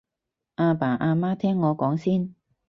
阿爸阿媽聽我講先